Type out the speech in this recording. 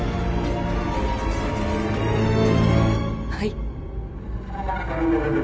はい。